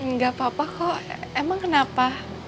nggak apa apa kok emang kenapa